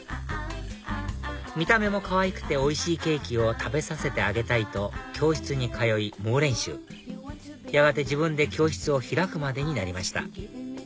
見た目もかわいくておいしいケーキを食べさせてあげたいと教室に通い猛練習やがて自分で教室を開くまでになりました